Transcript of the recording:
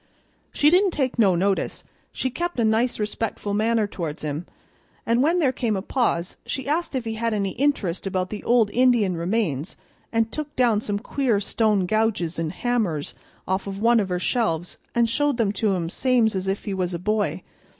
"She didn't take no notice, she kep' a nice respectful manner towards him, and when there come a pause she asked if he had any interest about the old Indian remains, and took down some queer stone gouges and hammers off of one of her shelves and showed them to him same's if he was a boy.